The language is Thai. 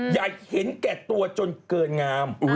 อยากเห็นแก่ตัวจนเกินงาม